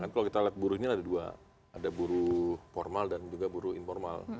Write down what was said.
kalau kita lihat buru ini ada dua ada buru formal dan juga buru informal